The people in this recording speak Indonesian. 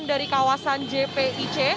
mereka dari kawasan jpic